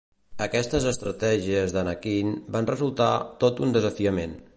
Aquestes estratègies d'Anakin van resultar tot un desafiament.